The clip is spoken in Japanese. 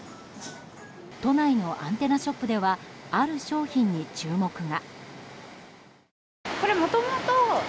都内のアンテナショップではある商品に注目が。